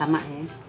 gak ada yang ngerti